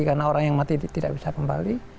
karena orang yang mati tidak bisa kembali